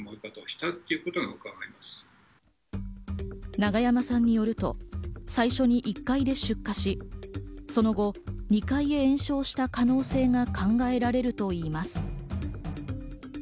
永山さんによると、最初に１階で出火し、その後、２階へ延焼した可能性が考えられるといいます。